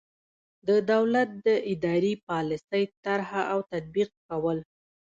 د دولت د اداري پالیسۍ طرح او تطبیق کول.